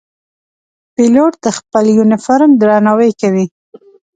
پیلوټ د خپل یونیفورم درناوی کوي.